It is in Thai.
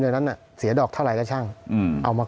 ไปสุดท้ายไป๒คนละ๒๐๐๐๐กว่า